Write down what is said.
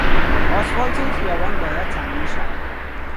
آسفالت این خیابان باید تعمیر شود.